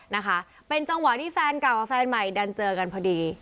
นะคะเป็นจังหวะที่แฟนเก่ากับแฟนใหม่ดันเจอกันพอดี